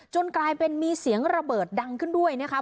กลายเป็นมีเสียงระเบิดดังขึ้นด้วยนะคะ